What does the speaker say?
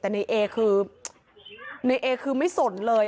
แต่นายเอคือไม่สนเลย